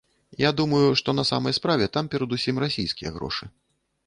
Я думаю, што на самай справе там перадусім расійскія грошы.